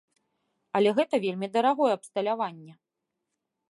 Але гэта вельмі дарагое абсталяванне.